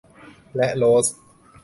และโรส